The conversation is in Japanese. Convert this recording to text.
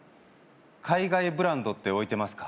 海外ブランドって置いてますか？